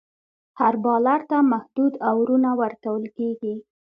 هر بالر ته محدود اوورونه ورکول کیږي.